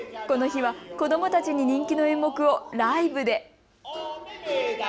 この日は子どもたちに人気の演目をライブで。